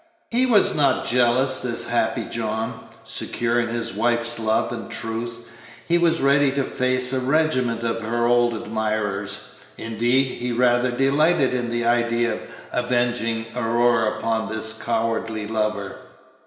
He was not jealous, this happy John. Secure in his wife's love and truth, he was ready to face a regiment of her old admirers; indeed, he rather delighted in the idea of avenging Aurora upon this cowardly lover.